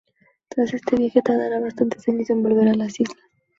Tras este viaje, tardará bastantes años en volver a las islas.